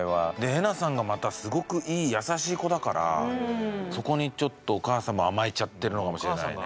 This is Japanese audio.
えなさんがまたすごくいい優しい子だからそこにちょっとお母さんも甘えちゃってるのかもしれないね。